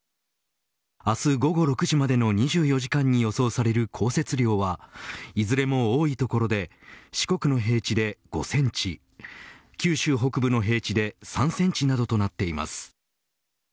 明日午後６時までの２４時間に予想される降雪量はいずれも多い所で四国の平地で５センチ九州北部の平地で３センチなどとなっています。